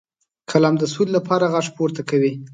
قلم د سولې لپاره غږ پورته کوي